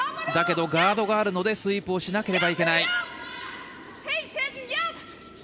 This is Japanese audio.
だけどガードがあるのでスイープをしなければいけない。